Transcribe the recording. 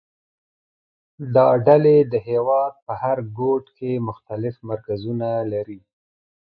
دا ډلې د هېواد په هر ګوټ کې مختلف مرکزونه لري